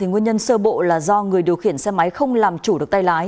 nguyên nhân sơ bộ là do người điều khiển xe máy không làm chủ được tay lái